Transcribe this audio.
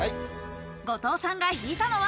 後藤さんが引いたのは。